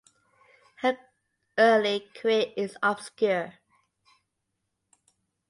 Her early career is obscure.